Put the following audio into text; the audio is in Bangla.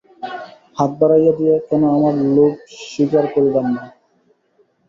হাত বাড়াইয়া দিয়া কেন আমার লোভ স্বীকার করিলাম না।